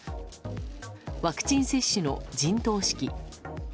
ワクチン接種の陣頭指揮。